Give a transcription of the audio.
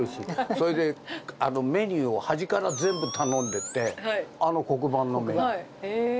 それで、メニューを端から全部頼んでって、あの黒板のメニュー。